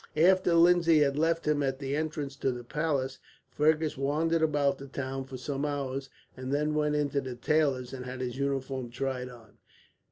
After Lindsay had left him at the entrance to the palace, Fergus wandered about the town for some hours, and then went to the tailor's and had his uniform tried on.